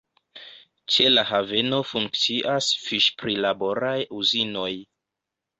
Ĉe la haveno funkcias fiŝ-prilaboraj uzinoj.